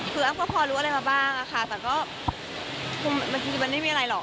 คืออ้ำก็พอรู้อะไรมาบ้างค่ะแต่มันจริงไม่มีอะไรหรอก